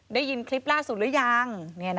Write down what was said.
ได้ยินคลิปล่าสุดหรือยัง